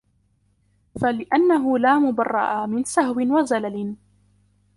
فَلِأَنَّهُ لَا مُبَرَّأَ مِنْ سَهْوٍ وَزَلَلٍ